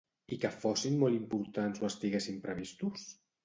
I que fossin molt importants o estiguessin previstos?